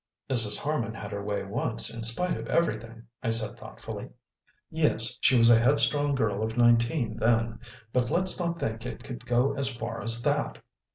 "Mrs. Harman had her way once, in spite of everything," I said thoughtfully. "Yes, she was a headstrong girl of nineteen, then. But let's not think it could go as far as that!